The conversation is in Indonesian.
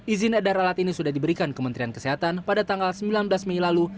izin edar alat ini sudah diberikan kementerian kesehatan pada tanggal sembilan belas mei lalu